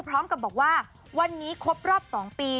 พร้อมกับบอกว่าวันนี้ครบรอบ๒ปี